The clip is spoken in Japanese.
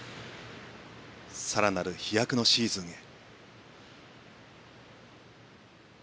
更なる飛躍のシーズンへ。